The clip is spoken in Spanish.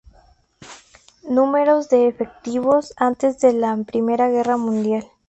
Números de efectivos antes de la Primera Guerra Mundial.